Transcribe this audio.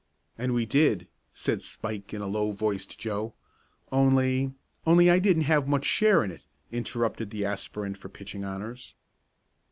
"And we did," said Spike in a low voice to Joe. "Only " "Only I didn't have much share in it," interrupted the aspirant for pitching honors.